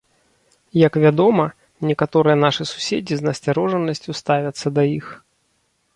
Як вядома, некаторыя нашы суседзі з насцярожанасцю ставяцца да іх.